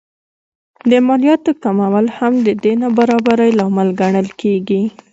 د مالیاتو کمول هم د دې نابرابرۍ لامل ګڼل کېږي